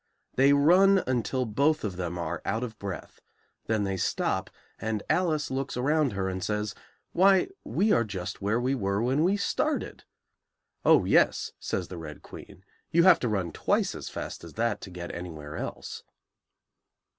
They run until both of them are out of breath; then they stop, and Alice looks around her and says, "Why, we are just where we were when we started!" "Oh, yes," says the Red Queen; "you have to run twice as fast as that to get anywhere else."